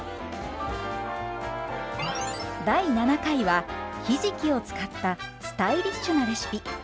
第７回はひじきを使ったスタイリッシュなレシピ。